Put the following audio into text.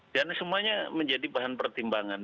dan semuanya menjadi bahan pertimbangan